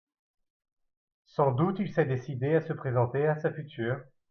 Sans doute il s’est décidé à se présenter à sa future.